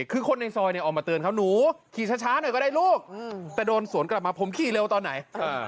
คือคนในซอยเนี่ยออกมาเตือนเขาหนูขี่ช้าหน่อยก็ได้ลูกแต่โดนสวนกลับมาผมขี่เร็วตอนไหน